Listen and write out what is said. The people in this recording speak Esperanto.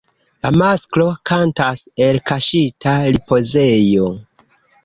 La masklo kantas el kaŝita ripozejo.